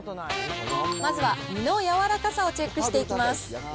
まずは身の柔らかさをチェックしていきます。